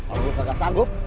kalau lo gak sanggup